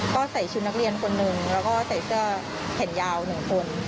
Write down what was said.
ก็ใส่ชุดนักเรียนคนหนึ่งแล้วก็ใส่เสื้อแขนยาว๑คน